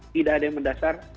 tidak ada yang mendasar